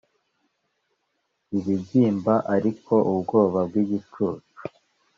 ibibyimba ariko ubwoba bwigicucu,